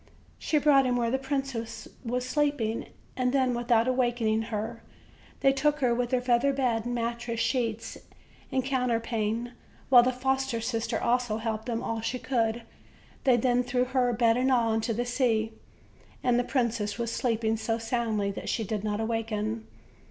She brought him where the princess was sleeping; and then, without awakening her, they took her with her feather bed, mattress, sheets and coun terpane, while the foster sister also helped them all she could. They then threw her, bed and all, into the sea, and the princess was sleeping so soundly that she did not awaken.